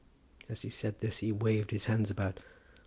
As he said this he waved his hands about.